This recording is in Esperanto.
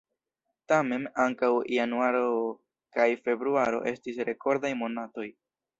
Tamen, ankaŭ januaro kaj februaro estis rekordaj monatoj.